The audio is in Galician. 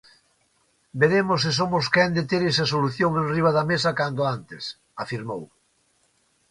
"Veremos se somos quen de ter esa solución enriba da mesa cando antes", afirmou.